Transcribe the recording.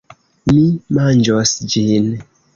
Mi manĝos ĝin.